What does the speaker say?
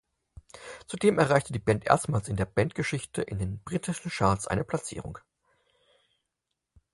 Zudem erreichte die Band erstmals in der Bandgeschichte in den britischen Charts eine Platzierung.